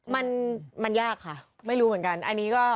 มันมันยากค่ะไม่รู้เหมือนกันอันนี้ก็